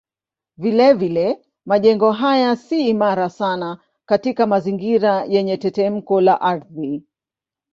Vilevile majengo haya si imara sana katika mazingira yenye tetemeko la ardhi.